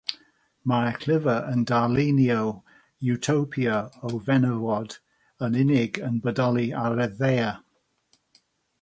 Mae'r llyfr yn darlunio “iwtopia” o fenywod yn unig yn bodoli ar y ddaear.